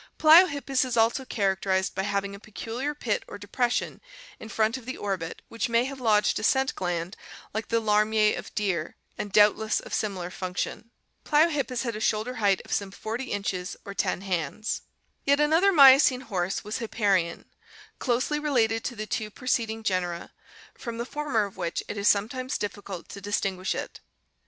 Pliohip pus is also characterized by having a pe culiar pit or depression in front of the orbit which may have lodged a scent gland like the larmier of deer and doubt less of similar function. Pliohippus had a shoulder height of some 40 inches or 10 hands. Yet another Miocene horse was Hip parion (Figs. 224, 225), closely related to the two preceding genera, from the former of which it is sometimes difficult to distinguish it.